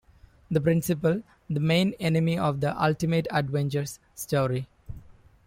The Principal - The main enemy of the "Ultimate Adventures" story.